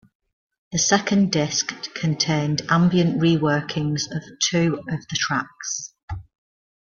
The second disc contained ambient re-workings of two of the tracks.